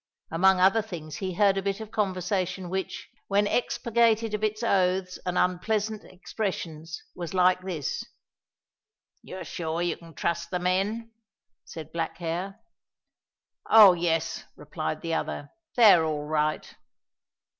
Among other things he heard a bit of conversation which, when expurgated of its oaths and unpleasant expressions, was like this: "You are sure you can trust the men?" said Black hair. "Oh, yes!" replied the other, "they're all right."